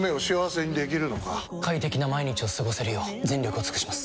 快適な毎日を過ごせるよう全力を尽くします！